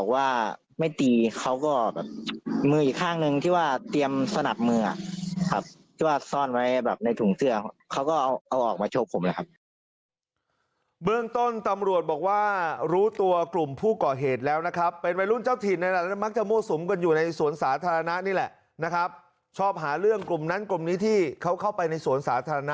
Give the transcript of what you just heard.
ว่าไม่ตีเขาก็แบบมืออีกข้างนึงที่ว่าเตรียมสนับมือครับที่ว่าซ่อนไว้แบบในถุงเสื้อเขาก็เอาเอาออกมาโชว์ผมเลยครับเบื้องต้นตำรวจบอกว่ารู้ตัวกลุ่มผู้ก่อเหตุแล้วนะครับเป็นไปรุ่นเจ้าถิ่นแล้วแล้วมักจะโม้สมกันอยู่ในสวนสาธารณานี่แหละนะครับชอบหาเรื่องกลุ่มนั้นกลุ่มนี้ที่เขาเข้าไปในส